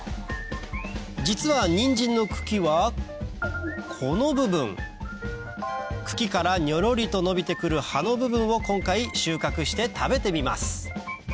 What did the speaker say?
実はニンジンの茎はこの部分茎からにょろりと伸びて来る葉の部分を今回収穫して食べてみます